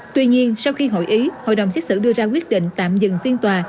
tuy nhiên sau khi hội ý hội đồng xét xử đưa ra quyết định tạm dừng phiên tòa